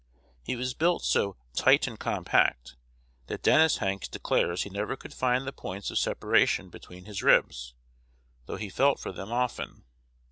He was built so "tight and compact," that Dennis Hanks declares he never could find the points of separation between his ribs, though he felt for them often.